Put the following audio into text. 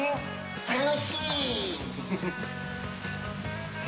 楽しい。